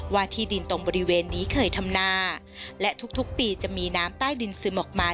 ที่ดินตรงบริเวณนี้เคยทำนาและทุกปีจะมีน้ำใต้ดินซึมออกมา